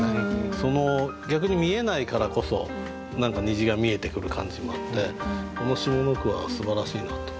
その逆に見えないからこそ何か虹が見えてくる感じもあってこの下の句はすばらしいなと。